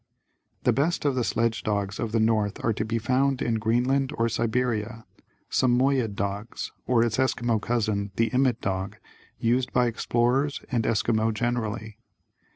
The best of the "Sledge Dogs of the North" are to be found in Greenland or Siberia, "Samoyed" dogs or its Esquimaux cousin, the "Immit Dog", used by explorers and Esquimaux generally.